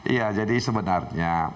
ya jadi sebenarnya